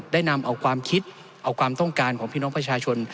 ได้นำเอาความคิดเอาความต้องการของพี่น้องประชาชน